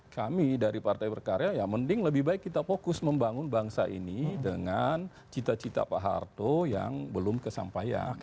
kami dari partai berkarya ya mending lebih baik kita fokus membangun bangsa ini dengan cita cita pak harto yang belum kesampaian